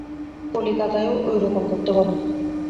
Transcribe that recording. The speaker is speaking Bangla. কলিকাতায়ও ঐ রকম করতে বল।